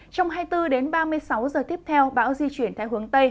trong hai mươi bốn đến ba mươi sáu giờ tiếp theo bão di chuyển theo hướng tây